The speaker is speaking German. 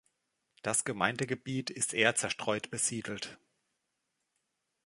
Das Gemeindegebiet ist eher zerstreut besiedelt.